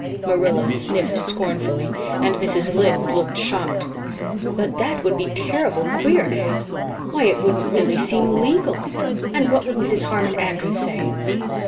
Marilla sniffed scornfully and Mrs. Lynde looked shocked. "But that would be terrible queer, Anne. Why, it wouldn't really seem legal. And what would Mrs. Harmon Andrews say?"